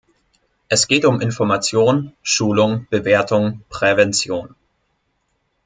Es geht um Information, Schulung, Bewertung, Prävention.